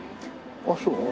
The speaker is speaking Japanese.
あっそう。